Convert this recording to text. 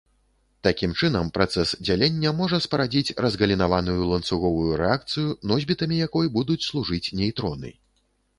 Такім чынам, працэс дзялення можа спарадзіць разгалінаваную ланцуговую рэакцыю, носьбітамі якой будуць служыць нейтроны.